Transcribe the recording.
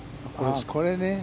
これね。